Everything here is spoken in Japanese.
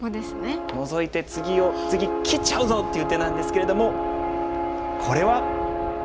ノゾいて「次切っちゃうぞ」っていう手なんですけれどもこれは。